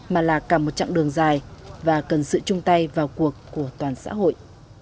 mà là cả một chặng đường dài và cần sự chung tay vào cuộc của toàn xã hội